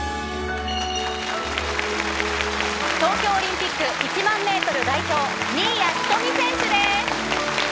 東京オリンピック１万メートル代表、新谷仁美選手です。